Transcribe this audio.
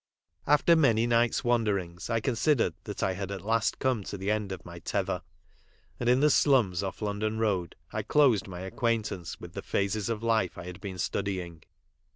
After many nights' wanderings I considered that I had at last come to the end of my tether, and in the slums off London road I closed my acquaint ance with the phases of life I had been studying.